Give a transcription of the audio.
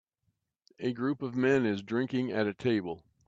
A group of men is drinking at a table.